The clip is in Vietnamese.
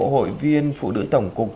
hội viên phụ nữ tổng cục